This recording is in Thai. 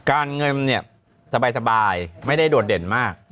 เงินเนี่ยสบายไม่ได้โดดเด่นมาก